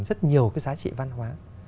rất nhiều cái giá trị văn hóa